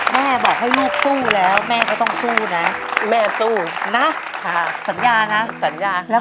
แม่บอกให้ลูกสู้แล้วแม่ก็ต้องสู้แน